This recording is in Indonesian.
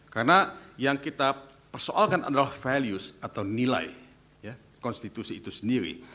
karena yang kita persoalkan adalah values atau nilai konstitusi itu sendiri